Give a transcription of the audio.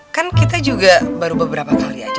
kan kita juga baru beberapa kali aja kan ketemu sama dia